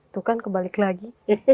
tuh kan kebalik lagi